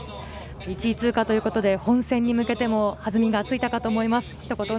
１位通過で本選に向けても弾みがついたと思います。